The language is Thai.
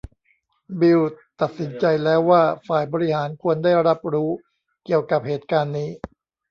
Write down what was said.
บิลล์ตัดสินใจแล้วว่าฝ่ายบริหารควรได้รับรู้เกี่ยวกับเหตุการณ์นี้